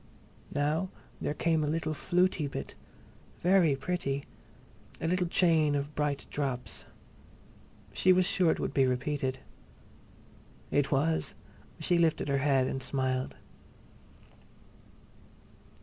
Now there came a little "flutey" bit—very pretty!—a little chain of bright drops. She was sure it would be repeated. It was; she lifted her head and smiled.